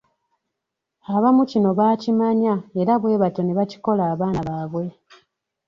Abamu kino baakimanya era bwe batyo ne bakikola abaana baabwe.